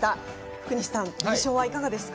福西さん、印象はいかがですか？